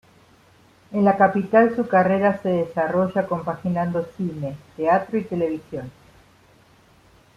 En la capital su carrera se desarrolla compaginando cine, teatro y televisión.